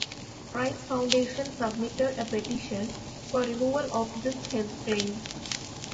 Price Foundation submitted a petition for removal of this health claim.